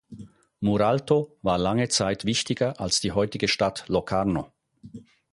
Muralto war lange Zeit wichtiger als die heutige Stadt Locarno.